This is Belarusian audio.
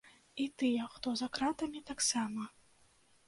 І тыя, хто за кратамі, таксама.